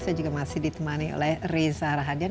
saya juga masih ditemani oleh reza rahadian